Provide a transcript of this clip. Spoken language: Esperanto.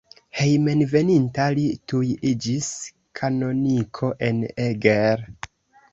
Hejmenveninta li tuj iĝis kanoniko en Eger.